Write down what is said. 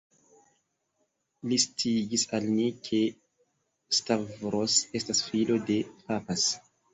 Li sciigis al ni, ke Stavros estas filo de «_papas_».